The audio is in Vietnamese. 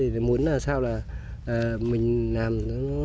vì muốn làm sao là mình làm lớn